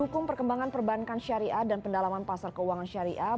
hukum perkembangan perbankan syariah dan pendalaman pasar keuangan syariah